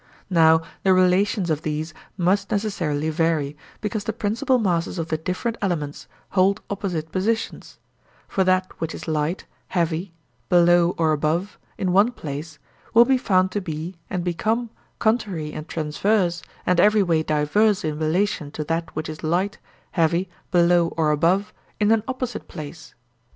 Now the relations of these must necessarily vary, because the principal masses of the different elements hold opposite positions; for that which is light, heavy, below or above in one place will be found to be and become contrary and transverse and every way diverse in relation to that which is light, heavy, below or above in an opposite place.